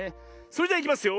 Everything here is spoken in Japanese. それじゃいきますよ。